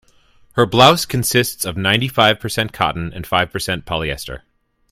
Her blouse consists of ninety-five percent cotton and five percent polyester.